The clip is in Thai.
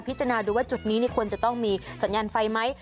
คิดชะนาดูว่าจุดนี้ที่ควรจะต้องมีสัญญาณไฟไหม